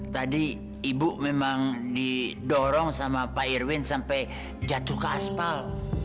tadi ibu memang didorong sama pak irwin sampai jatuh ke aspal